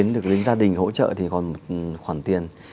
tức là các cô ấy không hỏi em